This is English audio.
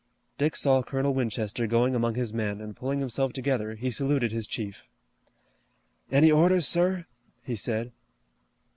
Dick saw Colonel Winchester going among his men, and pulling himself together he saluted his chief. "Any orders, sir?" he said.